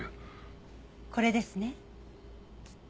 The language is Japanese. これですね。